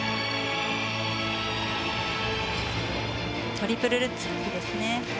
トリプルルッツいいですね。